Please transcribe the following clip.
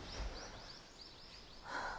はあ。